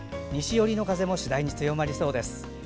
西寄りの風も次第に強まりそうです。